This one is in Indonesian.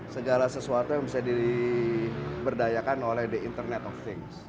segala sesuatu yang bisa diberdayakan oleh the internet of things